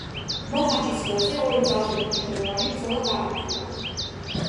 მოჰაჩის ველზე ორი ძალზე მნიშვნელოვანი ბრძოლა გამართულა.